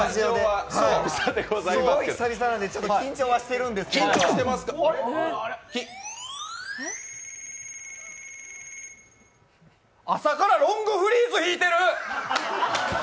久々なんでちょっと緊張はしてるんですけど朝からロングフリーズ引いてる。